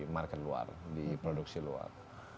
market luar di produksi luar